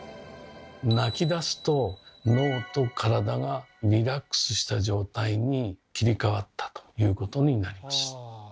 泣きだすと脳と体がリラックスした状態に切り替わったということになります。